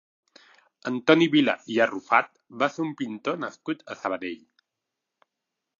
Antoni Vila i Arrufat va ser un pintor nascut a Sabadell.